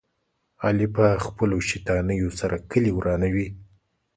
علي په خپلو شیطانیو سره کلي ورانوي.